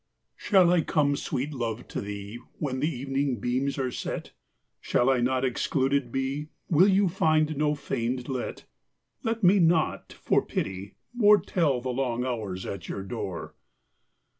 Shall I come, sweet Love, to thee When the evening beams are set? Shall I not excluded be, Will you find no feigned let? Let me not, for pity, more Tell the long hours at your door.